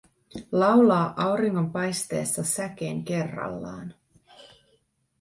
Laulaa auringonpaisteessa säkeen kerrallaan.